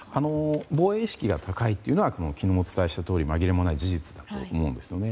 防衛意識が高いというのは昨日お伝えしたとおりまぎれもない事実だと思うんですよね。